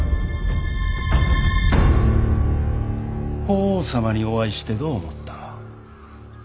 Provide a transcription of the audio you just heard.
法皇様にお会いしてどう思った。